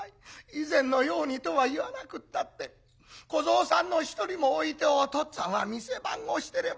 以前のようにとは言わなくったって小僧さんの一人も置いてお父っつぁんは店番をしてればいい。